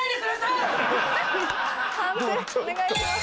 判定お願いします。